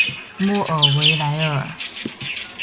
莫尔维莱尔。